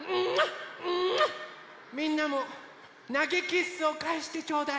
みんなもなげキッスをかえしてちょうだい！